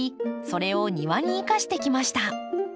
それを庭に生かしてきました。